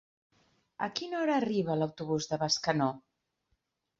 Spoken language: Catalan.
A quina hora arriba l'autobús de Bescanó?